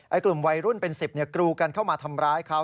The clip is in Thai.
กลุ่มวัยรุ่นเป็น๑๐กรูกันเข้ามาทำร้ายเขา